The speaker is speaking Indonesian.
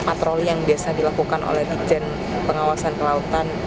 patroli yang biasa dilakukan oleh dijen pengawasan kelautan